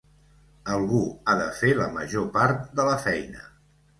Algú ha de fer la major part de la feina.